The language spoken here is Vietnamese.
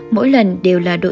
mỗi lần đều là đổi